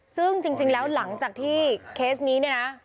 ซึ่งจริงแล้วหลังจากที่เคสนี้เนี่ยนะ